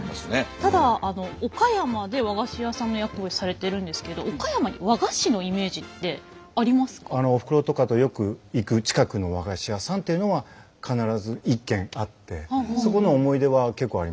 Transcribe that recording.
ただ岡山で和菓子屋さんの役をされてるんですけどおふくろとかとよく行く近くの和菓子屋さんっていうのは必ず一軒あってそこの思い出は結構ありますね。